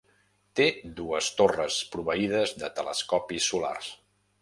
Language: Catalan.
Té dues torres proveïdes de telescopis solars.